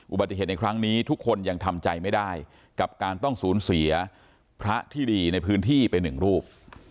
อุบัติเหตุในครั้งนี้ทุกคนยังทำใจไม่ได้กับการต้องสูญเสียพระที่ดีในพื้นที่ไปหนึ่งรูป